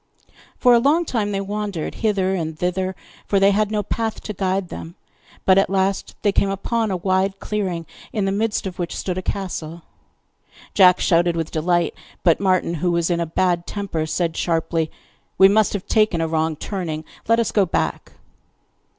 For a long time they wandered hither and thither, for they had no path to guide them; but at last they came upon a wide clearing, in the midst of which stood a castle. Jack shouted with delight, but Martin, who was in a bad temper, said sharply: 'We must have taken a wrong turning! Let us go back.